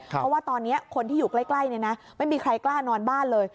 เพราะว่าตอนนี้คนที่อยู่ใกล้ไม่มีใครกล้านอนบ้านเลย